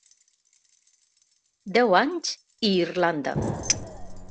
Deu anys i Irlanda.